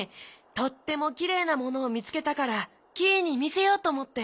とってもきれいなものをみつけたからキイにみせようとおもって。